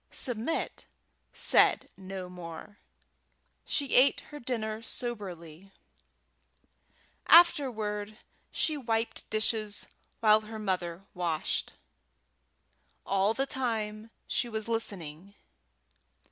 Submit said no more. She ate her dinner soberly. Afterward she wiped dishes while her mother washed. All the time she was listening.